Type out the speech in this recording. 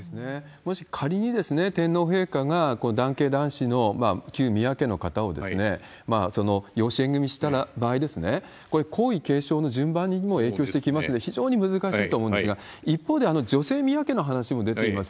もし仮に天皇陛下が男系男子の旧宮家の方を養子縁組した場合、これ、皇位継承の順番にも影響してきますので、非常に難しい問題だと思うんですが、一方で、女性宮家の話も出ています。